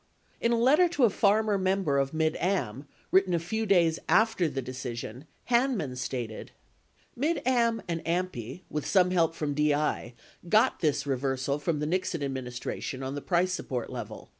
In a letter to a farmer member of Mid Am, written a few clays after the decision, Hanman stated : Mid Am and AMPI, with some help from DI, got this re versal from the Nixon administration on the price support level.